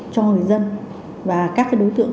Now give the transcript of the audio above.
cho người dân và các đối tượng